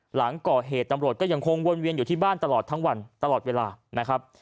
หลังก่อเหตุตำรวจก็ยังคงวนเวียนอยู่ที่บ้านตลอดทั้งวันตลอดเวลานะครับ